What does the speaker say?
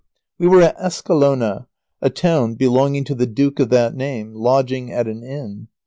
We were at Escalona, a town belonging to the Duke of that name, lodging at an inn.